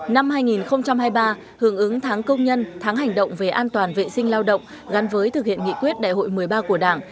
năm hai nghìn hai mươi ba hưởng ứng tháng công nhân tháng hành động về an toàn vệ sinh lao động gắn với thực hiện nghị quyết đại hội một mươi ba của đảng